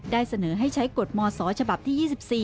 ได้เสนอให้ใช้กฎมศฉบับที่๒๔